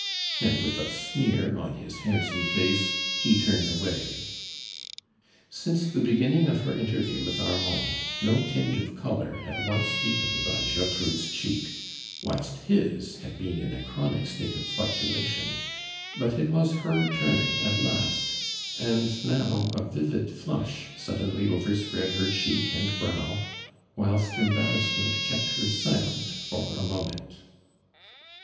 and with a sneer on liis liandsomo face, he turned away. iSinco the beginning of her interview with Armand, no tinge of color hid once deep ened on (Jertru<le's eiieek, whilst liis had been in a chronic state of fluctuation, but it was h(M' turn at last, and now, a vivid Hush suddenly ov(>rspread her elieek and brow, wliilst embarrassment kept her silent ibr a moment.